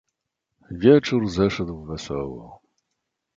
"Wieczór zeszedł wesoło."